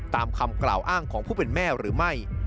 ตามคำกล่าวอ้างของผู้เป็นแม่หรือไม่